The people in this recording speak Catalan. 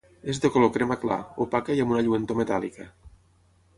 És de color crema clar, opaca i amb una lluentor metàl·lica.